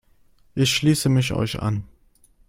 Ich schließe mich euch an.